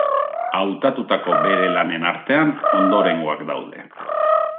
Hautatutako bere lanen artean, ondorengoak daude.